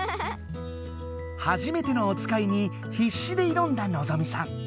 はじめてのおつかいにひっしでいどんだのぞみさん。